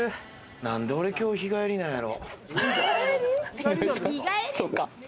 なんで俺今日、日帰りなんやろ。